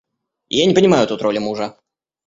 Я не понимаю тут роли мужа.